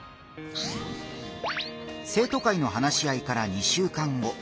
生徒会の話し合いから２週間後。